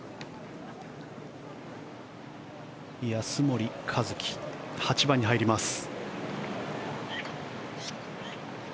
安森一貴、８番に入ります。